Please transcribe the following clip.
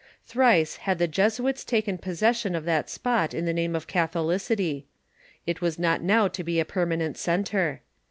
Thrice had the Jesuits taken possession of that spot in the name of catholicity; it was not now to bo a permanent centre.